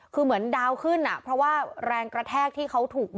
คือเหมือนดาวขึ้นอ่ะเพราะว่าแรงกระแทกที่เขาถูก